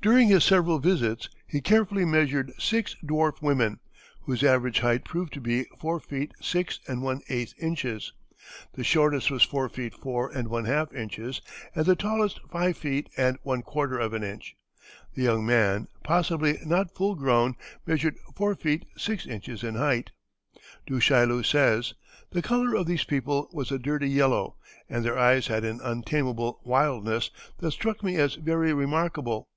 During his several visits he carefully measured six dwarf women, whose average height proved to be four feet six and one eighth inches; the shortest was four feet four and one half inches, and the tallest five feet and one quarter of an inch; the young man, possibly not full grown, measured four feet six inches in height. Du Chaillu says: "The color of these people was a dirty yellow, and their eyes had an untamable wildness that struck me as very remarkable.